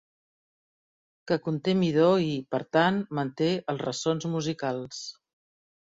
Que conté midó i, per tant, manté els ressons musicals.